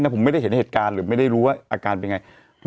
ผมไม่ได้เห็นเหตุการณ์หรือไม่ได้รู้ว่าอาการเป็นไง